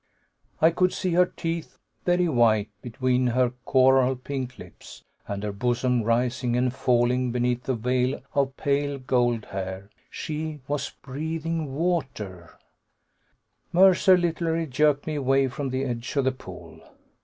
I could see her teeth, very white between her coral pink lips, and her bosom rising and falling beneath the veil of pale gold hair. She was breathing water! Mercer literally jerked me away from the edge of the pool.